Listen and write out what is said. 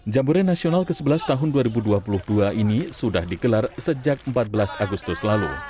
jambore nasional ke sebelas tahun dua ribu dua puluh dua ini sudah dikelar sejak empat belas agustus lalu